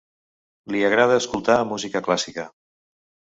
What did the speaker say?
Li agrada escoltar música clàssica.